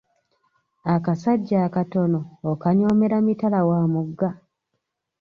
Akasajja akatono okanyoomera mitala wa mugga.